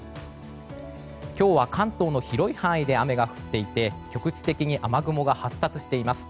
今日は関東の広い範囲で雨が降っていて局地的に雨雲が発達しています。